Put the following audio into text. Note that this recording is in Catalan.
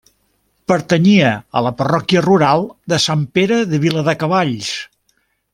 Pertanyia a la parròquia rural de Sant Pere de Viladecavalls.